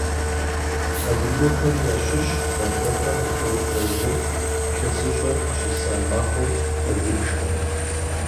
Адыгэхэри ящыщщ гъатхэпэм и тӏощӏрэ зыр илъэсыщӀэр къыщыса махуэу къэзыбжхэм.